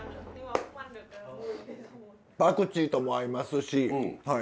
パクチーとも合いますしはい。